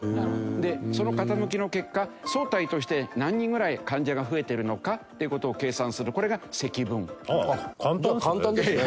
でその傾きの結果相対として何人ぐらい患者が増えてるのかって事を計算するこれが積分。